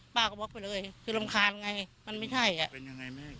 ป้าก็บล็อกไปเลยคือรำคาญไงมันไม่ใช่อ่ะเป็นยังไงแม่